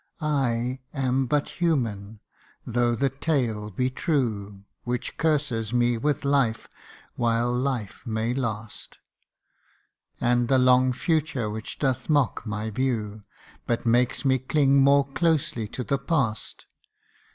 I am but human, though the tale be true Which curses me with life, while life may last ; And the long future which doth mock my view, But makes me cling more closely to the past.